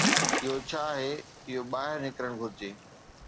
اهو ڇا آهي، اهو ٻاهر نڪرڻ گهرجي.